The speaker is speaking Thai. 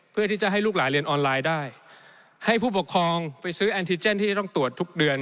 เพื่อที่จะให้ลูกหลานเรียนออนไลน์ได้ให้ผู้ปกครองไปซื้อแอนติเจนที่จะต้องตรวจทุกเดือน